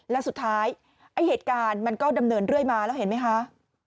แล้วสุดท้ายไอ้เหตุการณ์มันก็ดำเนินเรื่อยมาแล้วเห็นไหมคะ